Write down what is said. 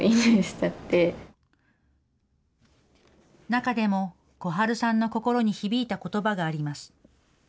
中でも、小春さんの心に響いたことばがあります。